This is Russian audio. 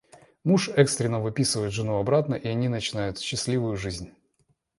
Муж экстренно выписывает жену обратно и они начинают счастливую жизнь.